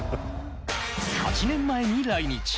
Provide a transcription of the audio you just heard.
８年前に来日。